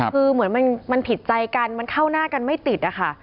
คือเหมือนมันผิดใจกันมันเข้าหน้ากันไม่ติดอะค่ะ